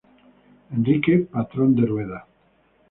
Enrique Patrón De Rueda.